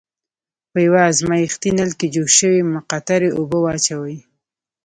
په یوه ازمیښتي نل کې جوش شوې مقطرې اوبه واچوئ.